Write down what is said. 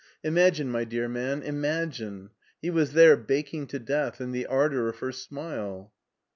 Imagine, my dear man, imagine. He was there baking to death in the ardor of her smile."